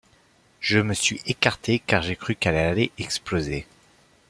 Je me suis écarté car j’ai cru qu’elle allait exploser.